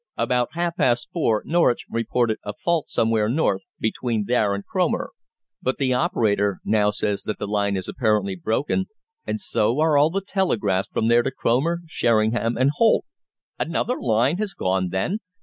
About half past four Norwich reported a fault somewhere north, between there and Cromer. But the operator now says that the line is apparently broken, and so are all the telegraphs from there to Cromer, Sheringham, and Holt." "Another line has gone, then!"